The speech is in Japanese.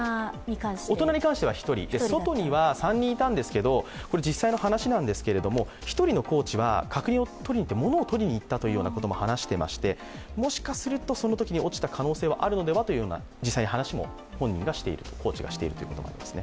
大人に関しては１人外には３人いたんですけど実際の話なんですけれども、１人のコーチは確認をとりに、物を取りにいったと話していまして、もしかするとそのときに落ちた可能性があるのではと実際に話を本人のコーチがているということです。